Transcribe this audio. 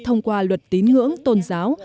thông qua luật tín ngưỡng tôn giáo